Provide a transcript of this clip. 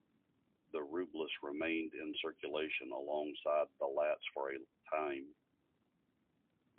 The rublis remained in circulation alongside the lats for a time.